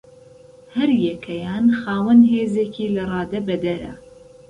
هەریەکەیان خاوەن هێزێکی لەرادەبەدەرە